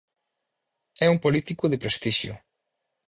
É un político de prestixio.